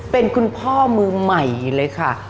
เป็นคุณพ่อมือใหม่เลยค่ะ